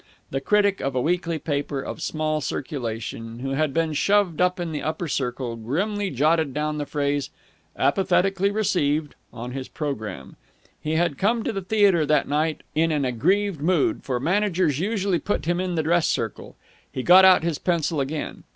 The critic of a weekly paper of small circulation, who had been shoved up in the upper circle, grimly jotted down the phrase "apathetically received" on his programme. He had come to the theatre that night in an aggrieved mood, for managers usually put him in the dress circle. He got out his pencil again.